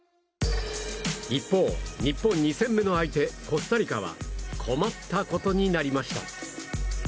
一方、日本２戦目の相手コスタリカは困ったことになりました。